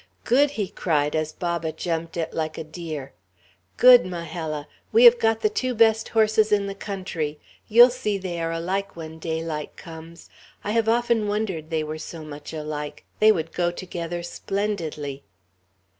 "Good!" he cried, as Baba jumped it like a deer. "Good! Majella! We have got the two best horses in the country. You'll see they are alike, when daylight comes. I have often wondered they were so much alike. They would go together splendidly."